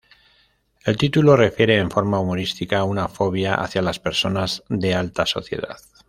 El título, refiere en forma humorística, una fobia hacia las personas de alta sociedad.